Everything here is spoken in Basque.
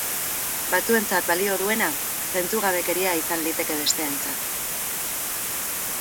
Batzuentzat balio duena, zentzugabekeria izan liteke besteentzat.